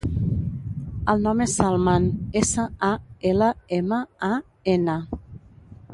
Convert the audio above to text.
El nom és Salman: essa, a, ela, ema, a, ena.